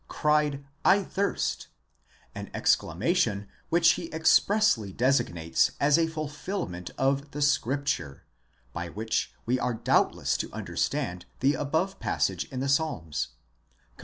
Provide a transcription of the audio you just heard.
cried, Z thirst, dupa, an exclamation, which he expressly designates as a fulfilment of the scripture, γραφὴ, by which we are doubtless to understand the above passage in the Psalms (comp.